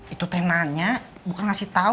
itu saya nanya bukan kasih tahu